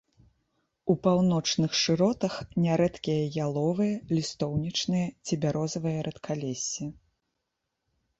У паўночных шыротах нярэдкія яловыя, лістоўнічныя ці бярозавыя рэдкалессі.